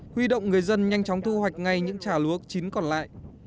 huy động người dân nhanh chóng thu hoạch ngay những trà lúa chín còn lại